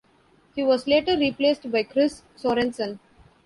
He was later replaced by Chris Sorenson.